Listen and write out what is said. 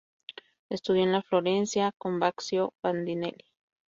Estudió en Florencia con Baccio Bandinelli.